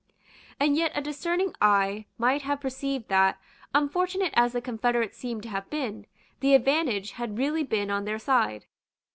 And yet a discerning eye might have perceived that, unfortunate as the confederates seemed to have been, the advantage had really been on their side.